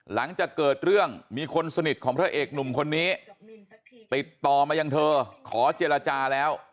หลังจากเกิดเรื่องมีคนสนิทของพระเอกหนุ่มคนนี้ติดต่อมายังเธอขอเจรจาแล้ว